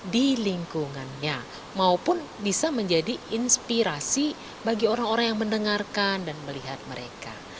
di lingkungannya maupun bisa menjadi inspirasi bagi orang orang yang mendengarkan dan melihat mereka